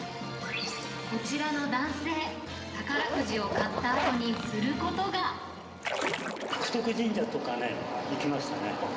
こちらの男性、宝くじを買っ福徳神社とかね、行きましたね。